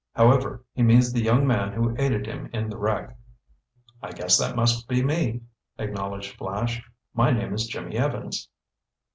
However, he means the young man who aided him in the wreck." "I guess that must be me," acknowledged Flash. "My name is Jimmy Evans."